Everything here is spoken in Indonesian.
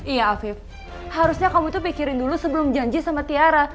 iya afif harusnya kamu tuh pikirin dulu sebelum janji sama tiara